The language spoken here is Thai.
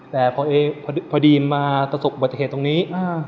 แต่พอดีมาประสบอุบัติเหตุตรงนี้